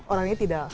orang ini tidak